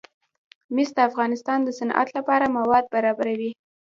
مس د افغانستان د صنعت لپاره مواد برابروي.